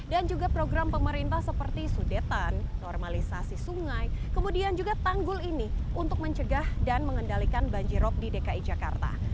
dan juga program pemerintah seperti sudetan normalisasi sungai kemudian juga tanggul ini untuk mencegah dan mengendalikan banjirop di dki jakarta